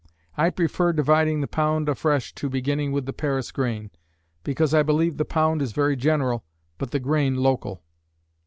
I prefer dividing the pound afresh to beginning with the Paris grain, because I believe the pound is very general, but the grain local.